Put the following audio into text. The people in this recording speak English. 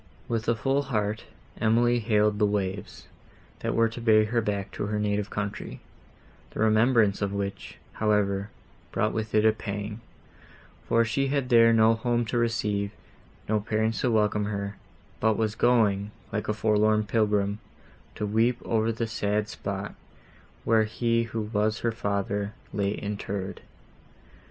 With a full heart, Emily hailed the waves, that were to bear her back to her native country, the remembrance of which, however, brought with it a pang; for she had there no home to receive, no parents to welcome her, but was going, like a forlorn pilgrim, to weep over the sad spot, where he, who was her father, lay interred.